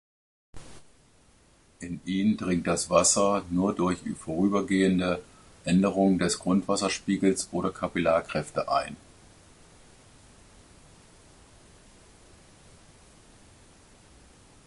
In ihn dringt das Wasser nur durch vorübergehende Änderungen des Grundwasserspiegels oder Kapillarkräfte ein.